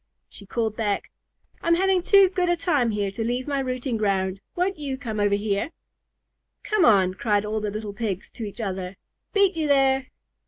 She called back, "I'm having too good a time here to leave my rooting ground. Won't you come over here?" "Come on," cried all the little Pigs to each other. "Beat you there!"